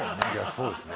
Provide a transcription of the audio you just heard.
そうですね。